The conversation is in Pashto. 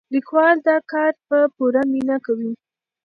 لیکوال دا کار په پوره مینه کوي.